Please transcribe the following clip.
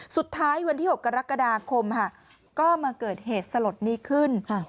สุดท้ายวันที่๖กรกฎาคมค่ะก็มาเกิดเหตุสลดนี้ขึ้น